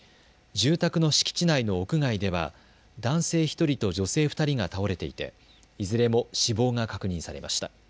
住宅の敷地内の屋外では男性１人と女性２人が倒れていていずれも死亡が確認されました。